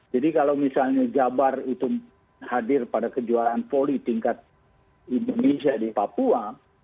jadi kalau misalnya jabar itu hadir pada kejuaraan voli tingkat indonesia di papua